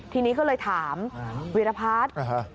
ทีนี้ก็เลยถามวิรพาท